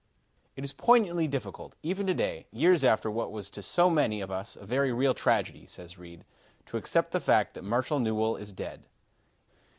"It is poignantly difficult, even to day, years after what was to so many of us a very real tragedy," says Reed, "to accept the fact that Marshall Newell is dead.